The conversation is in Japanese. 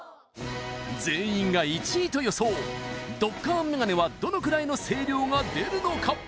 全員が１位と予想どっかんメガネはどのくらいの声量が出るのか？